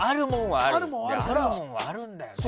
あるもんはあるんだよね。